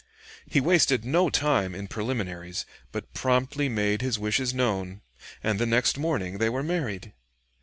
He wasted no time in preliminaries, but promptly made his wishes known, and the next morning they were married.